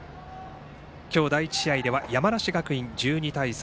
今日第１試合では山梨学院、１２対３。